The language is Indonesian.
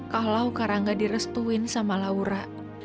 kalau kak rangga direstuin sama laura